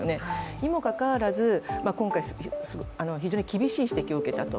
にもかかわらず、今回、非常に厳しい指摘を受けたと。